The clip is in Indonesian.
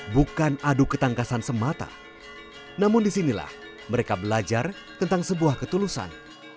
bukan adu ketangkasan semata namun disinilah mereka belajar tentang sebuah ketulusan